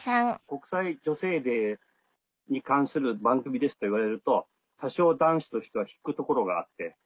「国際女性デーに関する番組です」っていわれると多少男子としては引くところがあって。